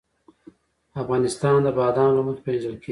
افغانستان د بادام له مخې پېژندل کېږي.